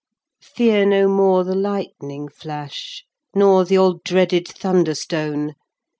Feare no more the Lightning flash Arui. Nor th' all dreaded Thunderstone Gui.